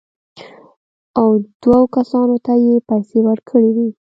او دوو کسانو ته یې پېسې ورکړې وې.